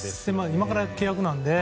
今から契約なので。